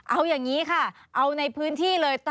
เอาอย่างนี้ค่ะเอาในพื้นที่เลย